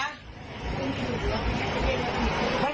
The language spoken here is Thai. มีคนอยู่ไหมครับ